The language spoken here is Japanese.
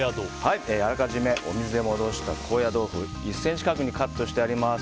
あらかじめお水で戻した高野豆腐１ｃｍ角にカットしてあります。